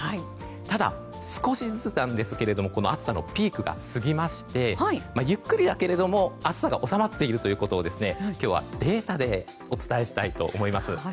ただ、少しずつこの暑さのピークが過ぎましてゆっくりだけども暑さが収まっているということを今日はデータでお伝えしたいと思います。